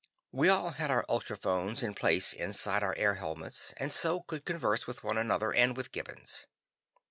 We all had our ultrophones in place inside our air helmets, and so could converse with one another and with Gibbons.